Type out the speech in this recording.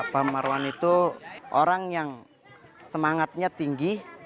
pak marwan itu orang yang semangatnya tinggi